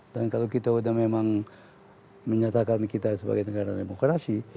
dan kalau kita udah memang menyatakan kita sebagai negara demokrasi